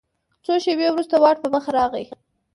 څو شیبې وروسته واټ په مخه راغی.